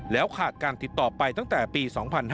แล้วขาดการติดต่อไปตั้งแต่ปี๒๕๕๙